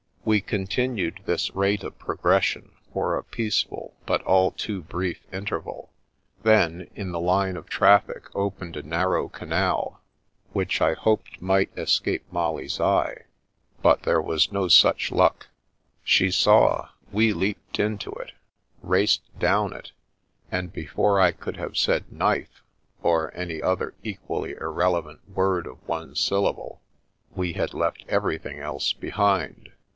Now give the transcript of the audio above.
We continued this rate of progression for a peaceful but all too brief interval; then in the line of traffic opened a narrow canal which I hoped might escape Molly's eye. But there was no such luck. She saw; we Mercfedfes to the Rescue 23 leaped into it, raced down it, and before I could have said " knife," or any other equally irrelevant word of one syllable, we had left everjrthing else behind.